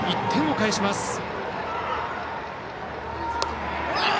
１点を返します。